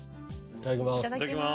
いただきます